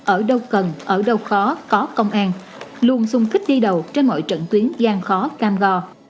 ở đâu cần ở đâu khó có công an luôn sung kích đi đầu trên mọi trận tuyến gian khó cam go